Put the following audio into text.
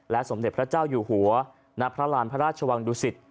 และสมเด็จพระเจ้าอยู่หัวนักพระราชชวังรุดศิษฐ์